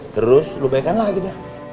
terus lo baikan lagi dah